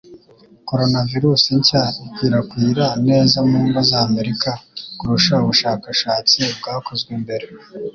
Coronavirus nshya ikwirakwira neza mu ngo z’Amerika kurusha ubushakashatsi bwakozwe mbere,